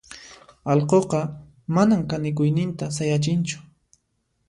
allquqa manan kanikuyninta sayachinchu.